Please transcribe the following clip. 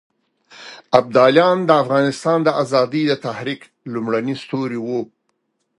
ابداليان د افغانستان د ازادۍ د تحريک لومړني ستوري وو.